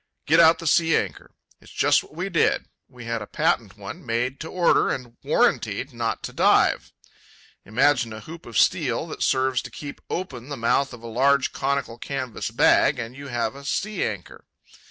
Get out the sea anchor. It's just what we did. We had a patent one, made to order and warranted not to dive. Imagine a hoop of steel that serves to keep open the mouth of a large, conical, canvas bag, and you have a sea anchor.